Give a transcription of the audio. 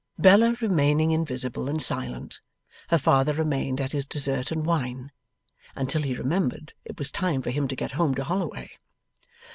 Bella remaining invisible and silent, her father remained at his dessert and wine, until he remembered it was time for him to get home to Holloway.